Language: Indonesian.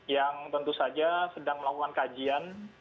yang tentu saja sedang melakukan kajian